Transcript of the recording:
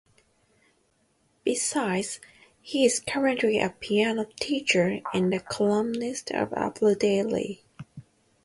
Besides, he is currently a piano teacher and a columnist of Apple Daily.